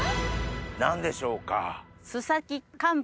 何でしょうか？